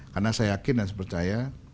karena saya yakin dan saya percaya